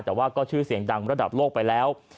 แต่ว่าก็ชื่อเสียงดังระดับโลกไปแล้ว